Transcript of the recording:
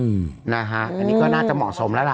อันนี้ก็น่าจะเหมาะสมแล้วล่ะ